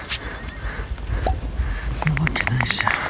なわけないじゃん。